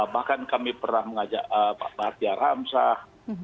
bahkan kami pernah mengajak pak bartia ramsah